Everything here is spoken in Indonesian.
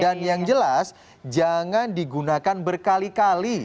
dan yang jelas jangan digunakan berkali kali